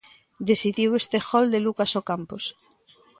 Decidiu este gol de Lucas Ocampos.